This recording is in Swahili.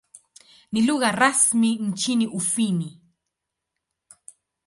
Ni lugha rasmi nchini Ufini.